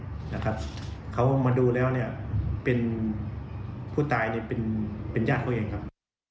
ไฟที่ของฮูงซ้ายเขามาดูแล้วเป็นผู้ตายเป็นญาติเขาเองครับ